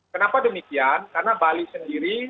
kenapa demikian karena bali sendiri